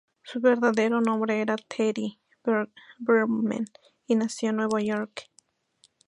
Su verdadero nombre era Teddy Bergman, y nació en Nueva York.